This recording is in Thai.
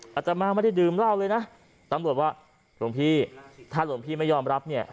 อาจจะมาไม่ได้ดื่มเหล้าเลยนะตำรวจว่าหลวงพี่ถ้าหลวงพี่ไม่ยอมรับเนี่ย